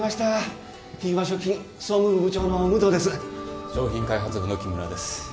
商品開発部の木村です。